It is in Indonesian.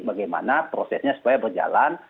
bagaimana prosesnya supaya berjalan